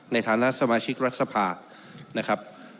ในฐานะสมาชิกรัฐสภานะครับ